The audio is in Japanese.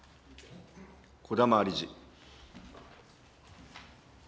児玉理事。